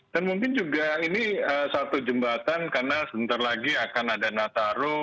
dan mungkin juga ini satu jembatan karena sebentar lagi akan ada nataro